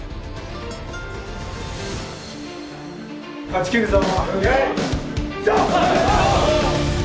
勝ち切るぞ！